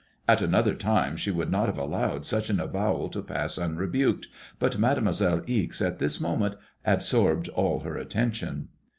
At another time she would not have allowed such an avowal to pass onreboked, bat Mademoiselle Ize at this moment absorbed all her atten tion.